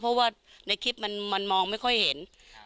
เพราะว่าในคลิปมันมันมองไม่ค่อยเห็นครับ